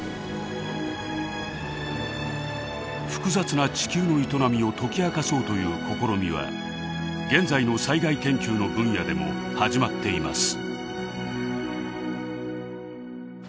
複雑な地球の営みを解き明かそうという試みは現在の災害研究の分野でも始まっています。